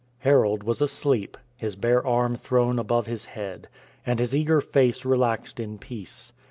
Harold was asleep, his bare arm thrown above his head, and his eager face relaxed in peace.